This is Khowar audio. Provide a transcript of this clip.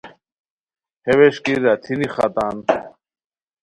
ہے ووݰکی راتھینی ختان